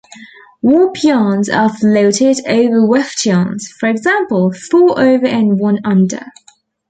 Warp yarns are floated over weft yarns, for example four over and one under.